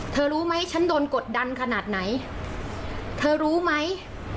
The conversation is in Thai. รู้ไหมฉันโดนกดดันขนาดไหนเธอรู้ไหม